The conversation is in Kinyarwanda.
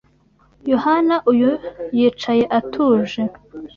Yohana uyu yicaye atuje